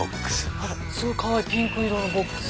あらすごいかわいいピンク色のボックス。